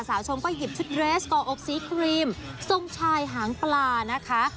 ชมก็หยิบชุดเรสก่ออบสีครีมทรงชายหางปลานะคะ